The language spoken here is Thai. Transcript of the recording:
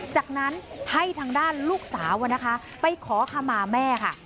จากนั้นให้ทางด้านลูกสาวนะคะไปขอขมาแม่ค่ะ